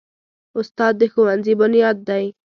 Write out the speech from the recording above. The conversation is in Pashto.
استاد د ښوونځي بنیاد دی.